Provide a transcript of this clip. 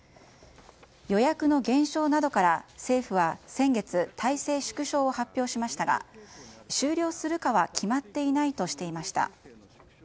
予約の減少などから、政府は先月体制縮小を発表しましたが終了するかは決まっていないとしていました。